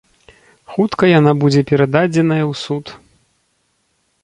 Хутка яна будзе перададзеная ў суд.